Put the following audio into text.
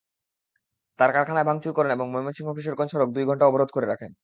তাঁরা কারখানায় ভাঙচুর করেন এবং ময়মনসিংহ-কিশোরগঞ্জ সড়ক দুই ঘণ্টা অবরোধ করে রাখেন।